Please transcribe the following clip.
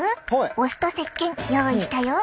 お酢とせっけん用意したよ。